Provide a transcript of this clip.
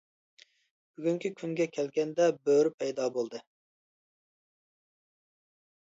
بۈگۈنكى كۈنگە كەلگەندە بۆرە پەيدا بولدى.